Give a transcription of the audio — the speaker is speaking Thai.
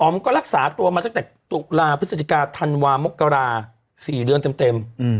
อ๋อมก็รักษาตัวมาตั้งแต่ตุลาพฤศจิกาทันวามกราสี่เรือนเต็มเต็มอืม